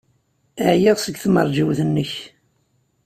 Ɛyiɣ seg tmeṛjiwt-nnek.